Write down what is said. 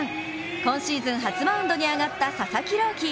今シーズン初マウンドに上がった佐々木朗希。